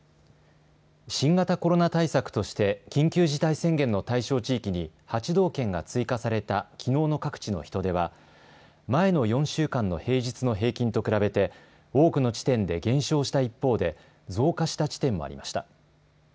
新型コロナ対策として緊急事態宣言の対象地域に８道県が追加されたきのうの各地の人出は前の４週間の平日の平均と比べて多くの地点で減少した一方で増加した地点もありました。